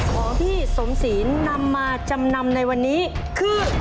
ของที่สมศีลนำมาจำนำในวันนี้คือ